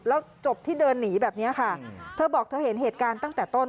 แล้วจบที่เดินหนีแบบนี้ค่ะเธอบอกเธอเห็นเหตุการณ์ตั้งแต่ต้น